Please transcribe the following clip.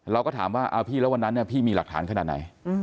เราก็ถามว่าพี่แล้ววันนั้นพี่มีหลักฐานขนาดไหน